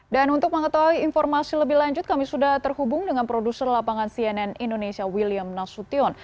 dan untuk mengetahui informasi lebih lanjut kami sudah terhubung dengan produser lapangan cnn indonesia william nasution